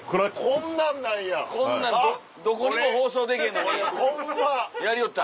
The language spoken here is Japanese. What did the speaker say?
こんなんどこにも放送できへんのにやりよった。